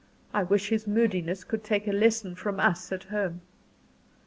I wish his moodiness could take a lesson from us at home!"